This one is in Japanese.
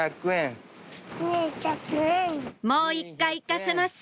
もう１回行かせます